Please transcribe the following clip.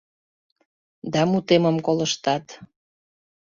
Да мутемым колыштат.